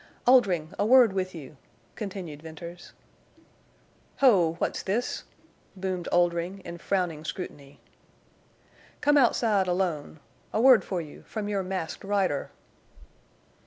"Oldring, a word with you!" continued Venters. "Ho! What's this?" boomed Oldring, in frowning scrutiny. "Come outside, alone. A word for you—_from your Masked Rider!